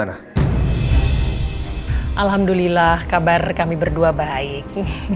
alhamdulillah kabar kami berdua baik